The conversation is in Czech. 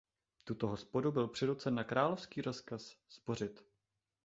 Tuto hospodu byl přinucen na královský rozkaz zbořit.